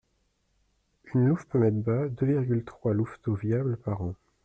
Une louve peut mettre bas deux virgule trois louveteaux viables par an.